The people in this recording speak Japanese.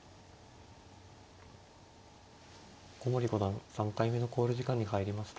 古森五段３回目の考慮時間に入りました。